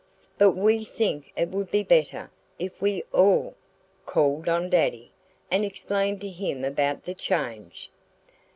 "But we think it would be better if we all called on Daddy and explained to him about the change."